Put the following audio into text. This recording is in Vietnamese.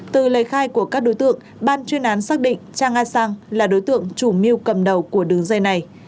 từ lời khai của các đối tượng ban chuyên án xác định cha nga sang là đối tượng chủ mưu cầm đầu của đường dây này